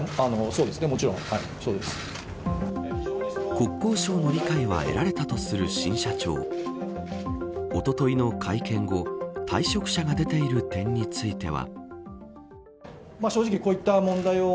国交省の理解は得られたとする新社長おとといの会見後退職者が出ている点については。